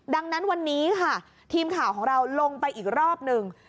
ดังนั้นวันนี้ค่ะทีมข่าวของเราลงไปอีกรอบหนึ่ง